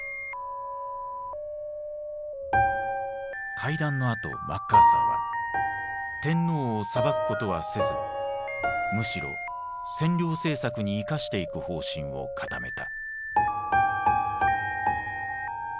会談のあとマッカーサーは天皇を裁くことはせずむしろ占領政策に生かしていく方針を固めた。